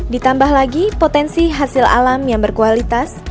ditambah lagi potensi hasil alam yang berkualitas